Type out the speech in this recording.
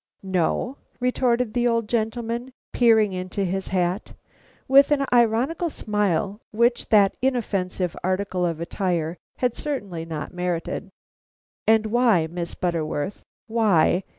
"No?" retorted the old gentleman, peering into his hat, with an ironical smile which that inoffensive article of attire had certainly not merited. "And why, Miss Butterworth, why?